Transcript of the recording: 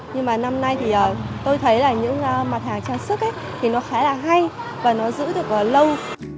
nhưng mà năm nay thì tôi thấy là những mặt hàng trang sức thì nó khá là hay và nó giữ được lâu